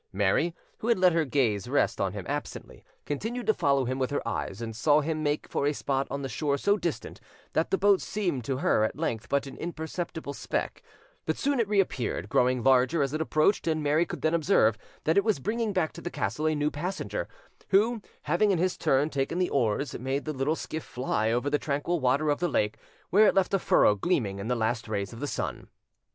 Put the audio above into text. Mary, who had let her gaze rest on him absently, continued to follow him with her eyes, and saw him make for a spot on the shore so distant that the boat seemed to her at length but an imperceptible speck; but soon it reappeared, growing larger as it approached, and Mary could then observe that it was bringing back to the castle a new passenger, who, having in his turn taken the oars, made the little skiff fly over the tranquil water of the lake, where it left a furrow gleaming in the last rays of the sun.